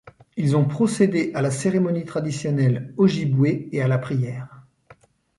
Ils ont procédés à la cérémonie traditionnelle ojibwée et à la prière.